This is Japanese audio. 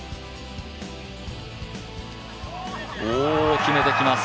決めてきます。